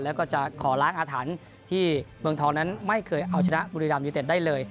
แล้วก็จะขอล้างอาถรรพ์ที่เมืองทองนั้นไม่เคยเอาชนะบุรีรัมยูเต็ดได้เลย